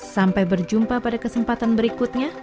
sampai berjumpa pada kesempatan berikutnya